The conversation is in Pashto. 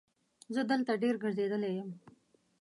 زه دلته ډېر ګرځېدلی یم.